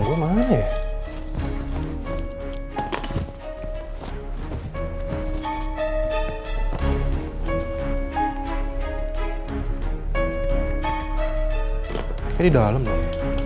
kayaknya di dalam dong